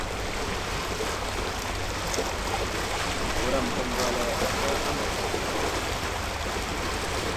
Wuram daŋgwalay ada a matavo yo age.